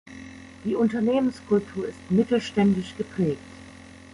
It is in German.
Die Unternehmenskultur ist mittelständisch geprägt.